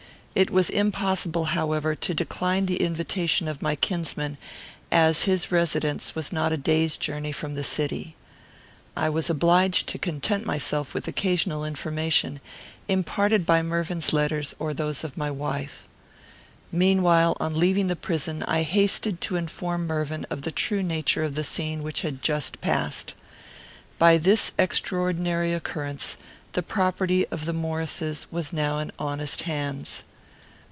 It was impossible, however, to decline the invitation of my kinsman, as his residence was not a day's journey from the city. I was obliged to content myself with occasional information, imparted by Mervyn's letters or those of my wife. Meanwhile, on leaving the prison, I hasted to inform Mervyn of the true nature of the scene which had just passed. By this extraordinary occurrence, the property of the Maurices was now in honest hands.